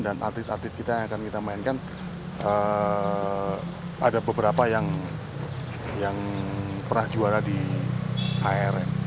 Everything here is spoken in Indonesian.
dan atlet atlet yang akan kita mainkan ada beberapa yang pernah juara di arm